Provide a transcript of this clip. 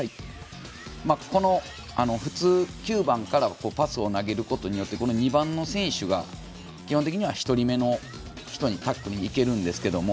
普通、９番からパスを投げることによって２番の選手が基本的には１人目の人にタックルに行けるんですけれども。